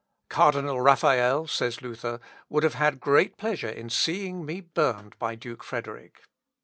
"Cardinal Raphael," says Luther, "would have had great pleasure in seeing me burned by Duke Frederick."